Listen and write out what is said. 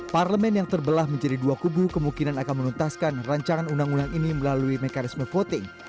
parlemen yang terbelah menjadi dua kubu kemungkinan akan menuntaskan rancangan undang undang ini melalui mekanisme voting